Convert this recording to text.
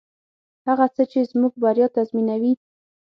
هغه څه چې زموږ بریا تضمینوي.